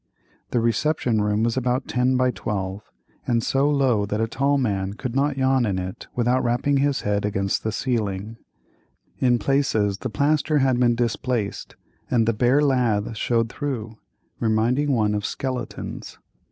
The reception room was about 10 by 12, and so low that a tall man could not yawn in it without rapping his head against the ceiling. In places the plaster had been displaced and the bare lath showed through, reminding one of skeletons.